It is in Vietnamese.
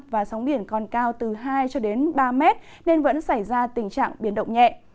và sóng biển còn cao từ hai cho đến ba mét nên vẫn xảy ra tình trạng biển động nhẹ